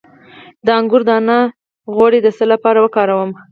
د انګور دانه غوړي د څه لپاره وکاروم؟